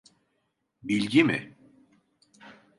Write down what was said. Bilgi mi?